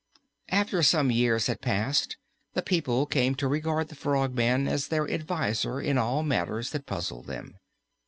After some years had passed, the people came to regard the Frogman as their adviser in all matters that puzzled them.